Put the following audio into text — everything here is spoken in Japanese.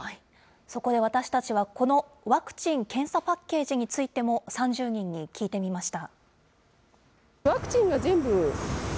そこで、私たちはこのワクチン・検査パッケージについても、３０人に聞いてみました。